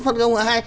phân công ai